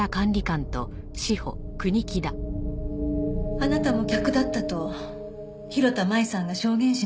あなたも客だったと広田舞さんが証言しました。